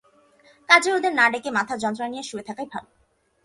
কাজেই ওদের না ডেকে মাথার যন্ত্রণা নিয়ে শুয়ে থাকাই ভাল।